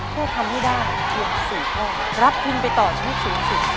เพื่อทำให้ได้เพียงสี่ข้อรับทิ้งไปต่อชมศูนย์สุด